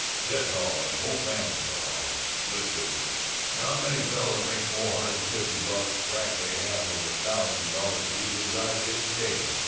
Ted's all right. Whole family all right. And good business. Not many fellows make four hundred and fifty bucks, practically half of a thousand dollars, easy as I did to day!